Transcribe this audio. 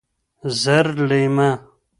زرلېمه